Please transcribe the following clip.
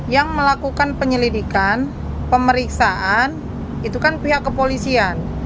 yang melakukan penyelidikan pemeriksaan itu kan pihak kepolisian